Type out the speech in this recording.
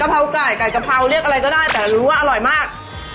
เพราไก่ไก่กะเพราเรียกอะไรก็ได้แต่รู้ว่าอร่อยมาก